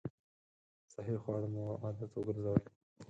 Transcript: صحي خواړه مو عادت وګرځوئ!